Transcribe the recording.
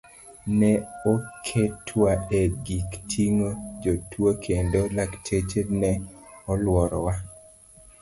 Ne oketwa e gik ting'o jotuo kendo lakteche ne oluorowa.